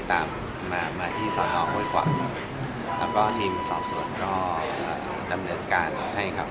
ตามมาที่สนโฮยฟวะแล้วก็ทีมสอบส่วนก็ดำเนินการให้ครับ